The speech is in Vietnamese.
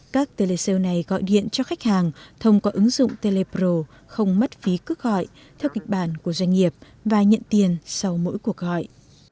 các telecell này gọi điện cho khách hàng thông qua ứng dụng telepro không mất phí cước gọi theo kịch bản của doanh nghiệp và nhận tiền sau mỗi cuộc gọi